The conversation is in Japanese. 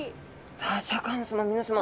さあシャーク香音さま皆さま。